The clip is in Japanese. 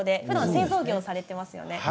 製造業をされています。